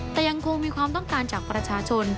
แต่ยังคงมีความต้องการจากประชาชน